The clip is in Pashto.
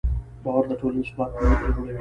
باور د ټولنې د ثبات پله جوړوي.